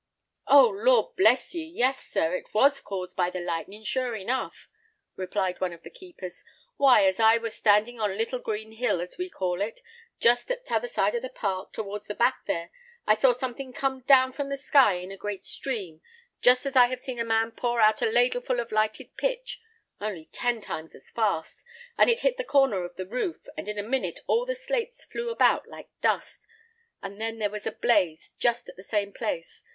"Oh! Lord bless ye; yes, sir, it was caused by the lightning, sure enough," replied one of the keepers. "Why, as I was standing on Little green hill, as we call it, just at t'other side of the park, towards the back there, I saw something come down from the sky in a great stream, just as I have seen a man pour out a ladleful of lighted pitch, only ten times at fast, and it hit the corner of the roof, and in a minute all the slates flew about like dust, and then there was a blaze just at the same place.